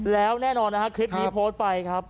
แล้วแน่นอนนะฮะคลิปนี้โพสต์ไปครับ